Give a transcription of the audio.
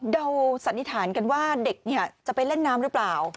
สันนิษฐานกันว่าเด็กจะไปเล่นน้ำหรือเปล่า